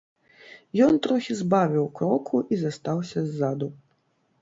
Ён трохі збавіў кроку і застаўся ззаду.